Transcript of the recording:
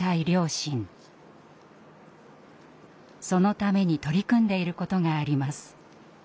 そのために取り組んでいることがあります。